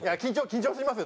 緊張します